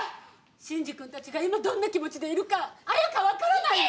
慎司君たちが今どんな気持ちでいるか彩花、分からないの？